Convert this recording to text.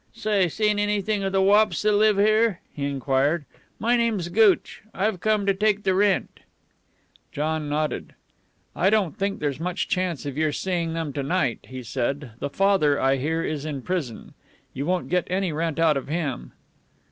"Say, seen anything of the wops that live here?" he enquired. "My name's Gooch. I've come to take the rent." John nodded. "I don't think there's much chance of your seeing them to night," he said. "The father, I hear, is in prison. You won't get any rent out of him."